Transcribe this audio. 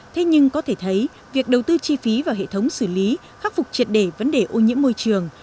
thế nhưng có thể thấy việc đầu tư chi phí vào hệ thống xử lý khắc phục triệt để vấn đề ô nhiễm môi trường